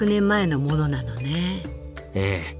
ええ。